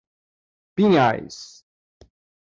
Pinhais